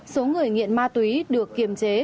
số người nghiện ma túy được kiềm chế